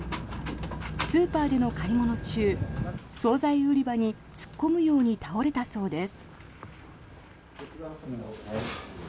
スーパーでの買い物中総菜売り場に突っ込むように倒れたそうです。